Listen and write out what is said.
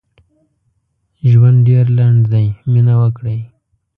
ژوند ډېر لنډ دي مينه وکړئ